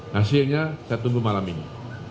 hasilnya saya tunggu malam ini